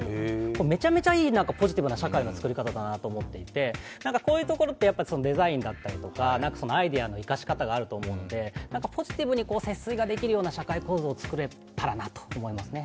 めちゃめちゃいいポジティブな社会の作り方だなと思っていてこういうところってデザインだったりとかアイデアの生かし方があると思うので、ポジティブに節水ができるような社会構造がつくれたらなと思いますね。